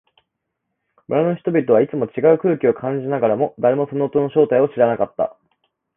村の人々はいつもと違う空気を感じながらも、誰もその音の正体を知らなかった。